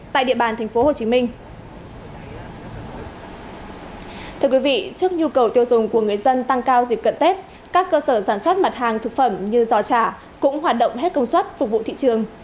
tại địa bàn thành phố hồ chí minh trước nhu cầu tiêu dùng của người dân tăng cao dịp cận tết các cơ sở sản xuất mặt hàng thực phẩm như giò chả cũng hoạt động hết công suất phục vụ thị trường